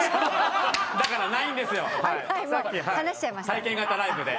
体験型ライブで。